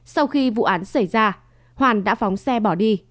sau khi vụ án xảy ra hoàn đã phóng xe bỏ đi